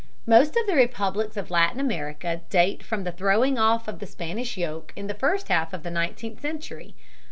Most of the republics of Latin America date from the throwing off of the Spanish yoke in the first half of the nineteenth century.